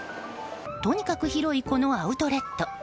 とにかく広いこのアウトレット。